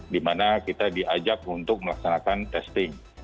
di mana kita diajak untuk melaksanakan testing